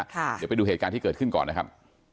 เดี๋ยวไปดูเหตุการณ์ที่เกิดขึ้นก่อนนะครับ